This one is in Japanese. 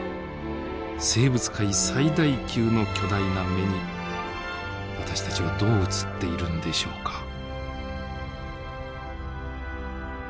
生物界最大級の巨大な目に私たちはどう映っているんでしょうか。